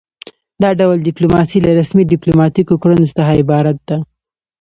دا ډول ډیپلوماسي له رسمي ډیپلوماتیکو کړنو څخه عبارت ده